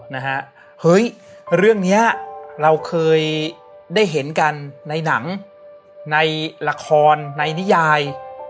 นะฮะเฮ้ยเรื่องเนี้ยเราเคยได้เห็นกันในหนังในละครในนิยาย